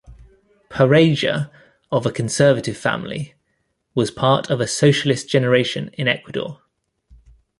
Pareja, of a conservative family, was part of a "socialist generation" in Ecuador.